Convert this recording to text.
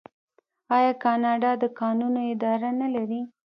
آیا کاناډا د کانونو اداره نلري؟